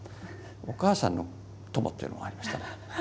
「お母さんの友」っていうのもありましたね。